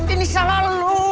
ini salah lo